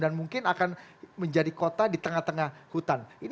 dan mungkin akan menjadi kota di tengah tengah hutan